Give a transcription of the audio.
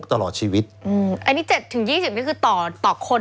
แล้วเขาก็ใช้วิธีการเหมือนกับในการ์ตูน